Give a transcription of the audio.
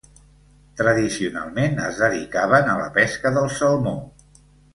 Tradicionalment es dedicaven a la pesca del salmó.